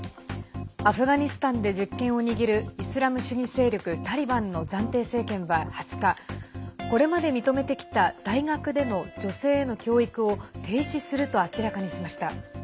アフガニスタンで実権を握るイスラム主義勢力タリバンの暫定政権は２０日これまで認めてきた大学での女性への教育を停止すると明らかにしました。